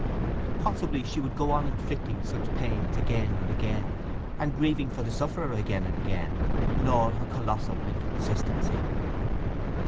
Possibly she would go on inflicting such pains again and again, and grieving for the sufferer again and again, in all her colossal inconsistency.